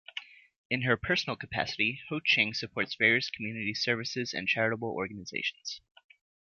In her personal capacity, Ho Ching supports various community service and charitable organisations.